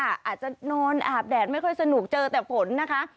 อาจจะนอนอาบแดดไม่ค่อยสนุกเจอแต่ผลนะคะ